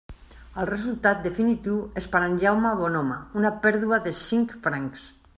El resultat definitiu és per a Jaume Bonhome una pèrdua de cinc francs.